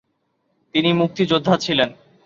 তিনি মুক্তিযোদ্ধা ছিলেন।